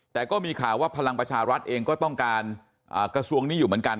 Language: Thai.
แต่ก็มีข่าวว่าพลังประชารัฐเองก็ต้องการกระทรวงนี้อยู่เหมือนกัน